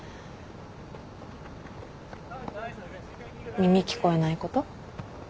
耳聞こえないこと。